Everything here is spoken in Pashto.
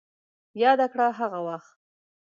ياده کړه هغه وخت